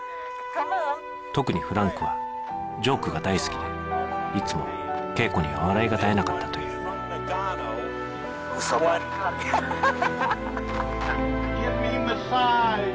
特にフランクはジョークが大好きでいつも桂子には笑いが絶えなかったというＧｉｖｅｍｅｍａｓｓａｇｅ！